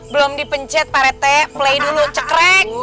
belum dipencet pak rete play dulu cekrek